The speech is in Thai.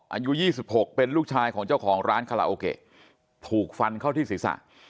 อายุ๒๖เป็นลูกชายของเจ้าของร้านคาราโอเกะถูกฟันเข้าที่ศีรษะ